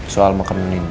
soal makam menendi